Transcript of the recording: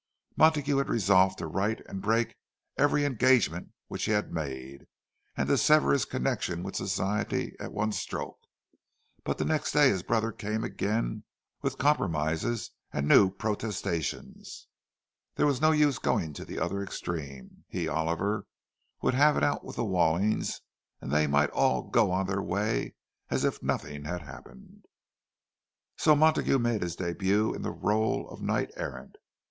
Montague had resolved to write and break every engagement which he had made, and to sever his connection with Society at one stroke. But the next day his brother came again, with compromises and new protestations. There was no use going to the other extreme: he, Oliver, would have it out with the Wallings, and they might all go on their way as if nothing had happened. So Montague made his début in the rôle of knight errant.